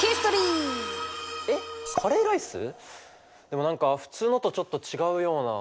でも何か普通のとちょっと違うような。